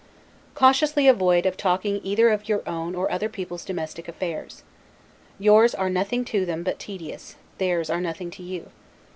Cautiously avoid talking of either your own or other people's domestic affairs. Yours are nothing to them but tedious; theirs are nothing to you.